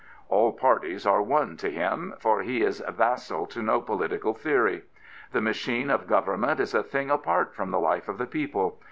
All parties are one to him, for he is vassal to no political theory. The machine of government is a thing apart from the life of the people.